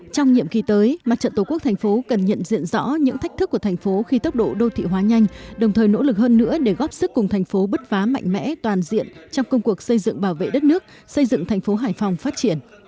trong nhiệm kỳ tới mặt trận tổ quốc thành phố cần nhận diện rõ những thách thức của thành phố khi tốc độ đô thị hóa nhanh đồng thời nỗ lực hơn nữa để góp sức cùng thành phố bứt phá mạnh mẽ toàn diện trong công cuộc xây dựng bảo vệ đất nước xây dựng thành phố hải phòng phát triển